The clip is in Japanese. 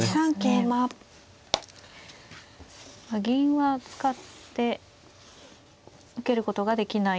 銀は使って受けることができない。